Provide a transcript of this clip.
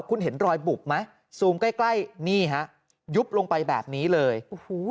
คุณเห็นรอยบุบไหมซูมใกล้ใกล้นี่ฮะยุบลงไปแบบนี้เลยโอ้โห